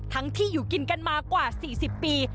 ที่อยู่กินกันมากว่า๔๐ปี